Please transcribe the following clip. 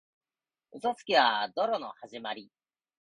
嘘つきは泥棒のはじまり。